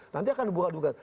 nanti akan buka buka